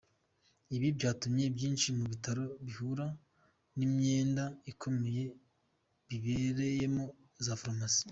Ibi byatumye byinshi mu bitaro bihura n’imyenda ikomeye bibereyemo za Farumasi.